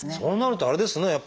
そうなるとあれですね